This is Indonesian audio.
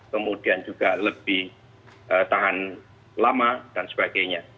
kemudian juga lebih tahan lama dan sebagainya